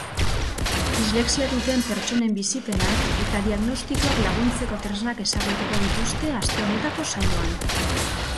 Dislexia duten pertsonen bizipenak eta diagnostikoak laguntzeko tresnak ezagutuko dituzte aste honetako saioan.